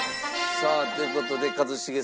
さあという事で一茂さん